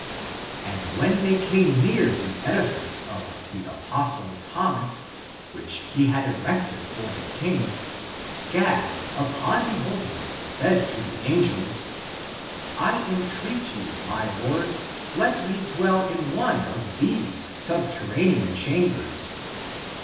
And when they came near the edifice of the apostle Thomas, which he had ACTS OF THOMAS 243 erected for the King, Gad, upon beholding it, said to the angels, " I entreat you, my lords, let me dwell in one of these subterranean chambers."